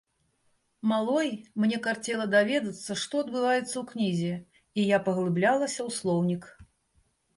Малой, мне карцела даведацца, што адбываецца ў кнізе, і я паглыблялася ў слоўнік.